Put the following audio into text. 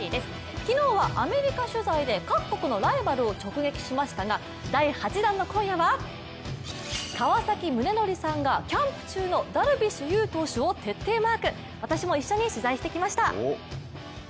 昨日はアメリカ取材で各国のライバルを直撃しましたが第８弾の今夜は川崎宗則さんがキャンプ中のダルビッシュ有選手を徹底マーク私も一緒に取材してきました。